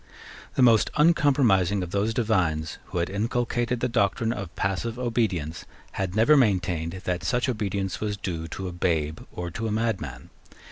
The most uncompromising of those divines who had inculcated the doctrine of passive obedience had never maintained that such obedience was due to a babe or to a madman.